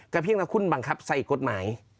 เพียงว่าคุณบังคับใส่กฎหมาย